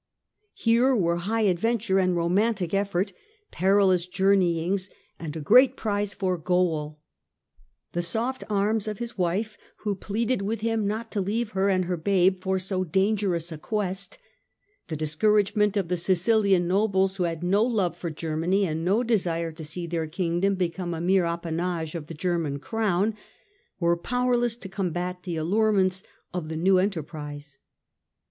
Here were high adventure and romantic effort, perilous journeyings and a great prize for goal. The soft arms of his wife, who pleaded with him not to leave her and her babe for so dangerous a quest, the discouragement of the Sicilian nobles who had no love for Germany and no desire to see their King dom become a mere appanage of the German Crown, were powerless to combat the allurements of the new enterprise.